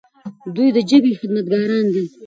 دوی د ژبې خدمتګاران دي.